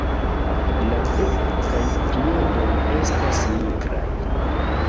La beko kaj piedoj estas nigraj.